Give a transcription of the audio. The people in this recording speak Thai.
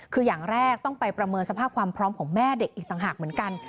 คืออย่างแรกต้องไปประเมินสภาพความพร้อมของแม่เด็กอีกต่างหากเหมือนกัน